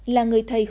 là người thầy huynh